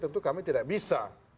tentu kami tidak bisa